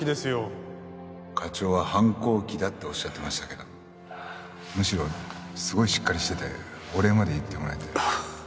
課長は反抗期だっておっしゃってましたけどむしろすごいしっかりしててお礼まで言ってもらえて。